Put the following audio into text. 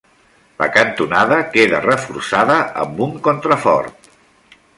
La cantonada queda reforçada amb un contrafort.